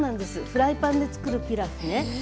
フライパンでつくるピラフね。